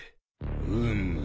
うむ。